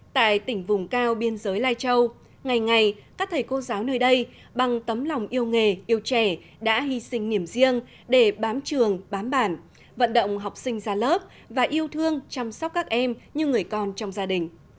tại tỉnh vùng cao biên giới lai châu ngày ngày các thầy cô giáo nơi đây bằng tấm lòng yêu nghề yêu trẻ đã hy sinh niềm riêng để bám trường bám bản vận động học sinh ra lớp và yêu thương chăm sóc các em như người con trong gia đình